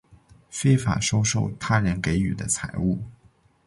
非法收受他人给予的财物